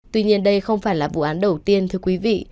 tuy nhiên đây không phải là vụ án đầu tiên thưa quý vị